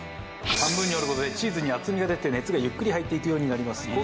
半分に折る事でチーズに厚みが出て熱がゆっくり入っていくようになります。